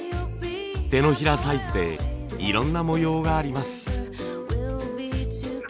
手のひらサイズでいろんな模様があります。